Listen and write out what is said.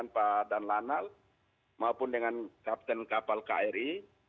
dengan pak danlanal maupun dengan kapten kapal kri